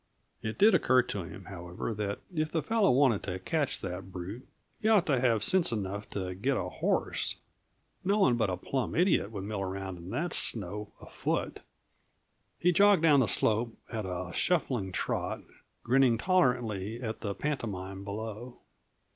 It did occur to him, however, that if the fellow wanted to catch that brute, he ought to have sense enough to get a horse. No one but a plumb idiot would mill around in that snow afoot. He jogged down the slope at a shuffling trot, grinning tolerantly at the pantomime below.